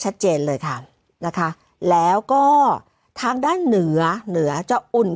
ชัดเจนเลยค่ะนะคะแล้วก็ทางด้านเหนือเหนือจะอุ่น